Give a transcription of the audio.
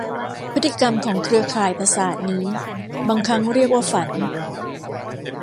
พฤติกรรมของเครือข่ายประสาทนี้บางครั้งเรียกว่าฝัน